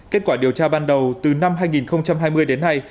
kết quả điều tra ban đầu từ năm hai nghìn hai mươi đến nay